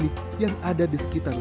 yogyakarta adalahpc yang tetap lagi